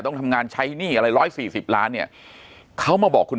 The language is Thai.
ต้องทำงานใช้หนี้อะไร๑๔๐ล้านเนี่ยเขามาบอกคุณ